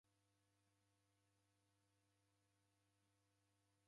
Rwa msuti dighende itanaha.